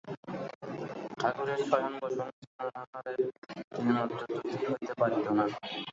ঠাকুরের শয়ন বসন স্নানাহারের তিলমাত্র ত্রুটি হইতে পারিত না।